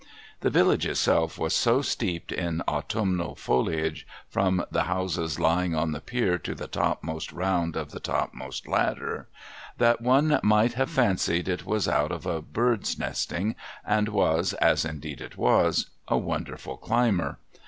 The village itself was so steeped in autumnal foliage, from the houses lying on the pier to the topmost round of the top most ladder, that one might have fancied it was out a bird's nesting, and was (as indeed it was) a wonderful climber.